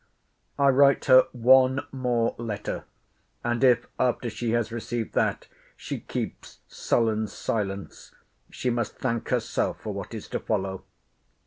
I write her one more letter; and if, after she has received that, she keeps sullen silence, she must thank herself for what is to follow.